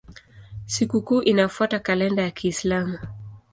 Sikukuu inafuata kalenda ya Kiislamu.